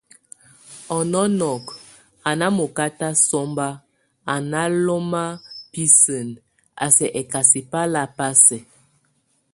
A nɔnɔk, a ná mokáta somba, a náloma bisen, a sɛk étasɛ bá la ba sɛk.